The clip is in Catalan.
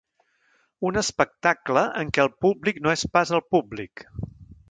Un espectacle en què el públic no és pas el públic.